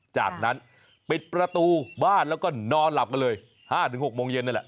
จากนั้นปิดประตูบ้านแล้วก็นอนหลับกันเลย๕๖โมงเย็นนี่แหละ